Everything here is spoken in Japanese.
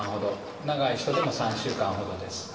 長い人でも３週間ほどです。